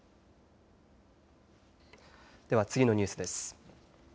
では、次のニュースです。